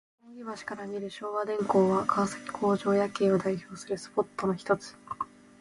扇橋から見る昭和電工は、川崎工場夜景を代表するスポットのひとつ。